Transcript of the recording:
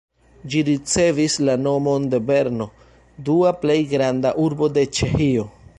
Ĝi ricevis la nomon de Brno, dua plej granda urbo de Ĉeĥio.